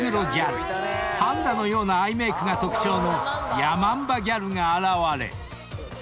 ［パンダのようなアイメイクが特徴のヤマンバギャルが現れ］